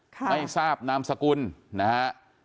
ไม่ทราบนามสกุลนะฮะ